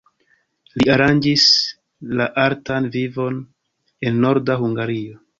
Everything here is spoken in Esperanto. Li aranĝis la artan vivon en Norda Hungario.